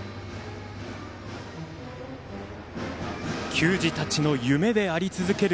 球児たちの夢であり続ける